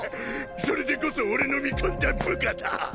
それでこそ俺の見込んだ部下だ。